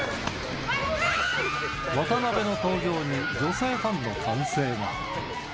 渡邊の登場に、女性ファンの歓声が。